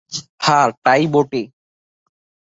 হ্যাঁ, তাই বটে।